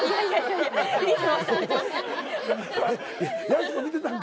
やす子見てたんか？